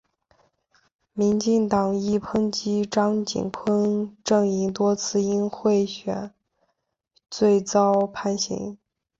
民进党亦抨击张锦昆阵营多次因贿选罪遭判刑。